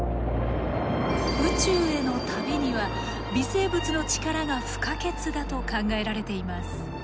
宇宙への旅には微生物の力が不可欠だと考えられています。